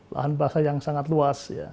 lahan basah yang sangat luas ya